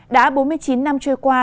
đã bốn mươi chín năm trôi qua